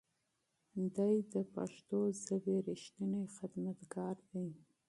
دی د پښتو ژبې رښتینی خدمتګار دی.